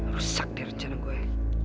rusak deh rencana gue